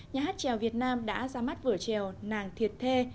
nhà hát trèo việt nam đã ra mắt vở trèo